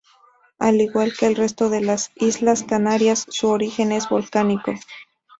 Al igual que el resto de las islas Canarias, su origen es volcánico.